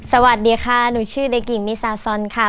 สวัสดีค่ะหนูชื่อเด็กหญิงมิซาซอนค่ะ